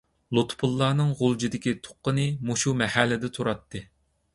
لۇتپۇللانىڭ غۇلجىدىكى تۇغقىنى مۇشۇ مەھەللىدە تۇراتتى.